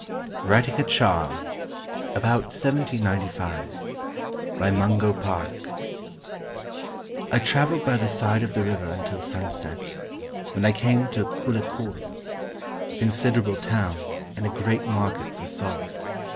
WRITING A CHARM [About 1795] BY MUNGO PARK I TRAVELED by the side of the river until sunset, when I came to Koolikorro, a considerable town and a great market for salt.